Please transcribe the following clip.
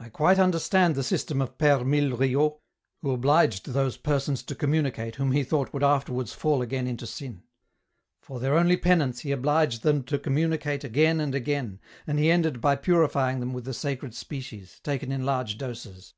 I quite understand the system of Pdre Milleriot, who obliged those persons to com EN ROUTE. 63 municate whom he thought would afterwards fall again into sin. For their only penance he obliged them to communicate again and again, and he ended by purifying them with the Sacred Species, taken in large doses.